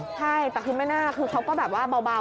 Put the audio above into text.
ใช่แต่คือไม่น่าคือเขาก็แบบว่าเบา